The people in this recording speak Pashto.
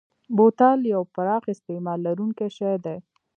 بوتل یو پراخ استعمال لرونکی شی دی.